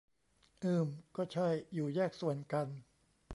อืม ก็ใช่ อยู่แยกส่วนกัน